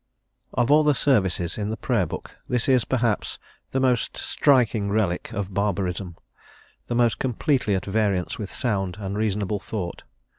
Of all the services in the Prayer Book this is, perhaps , the most striking relic of barbarism, the most completely at variance with sound and reasonable thought.